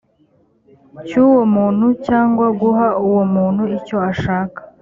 cy uwo muntu cyangwa guha uwo muntu icyo ashaka